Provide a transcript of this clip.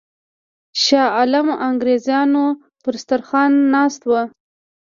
شاه عالم د انګرېزانو پر سترخوان ناست وو.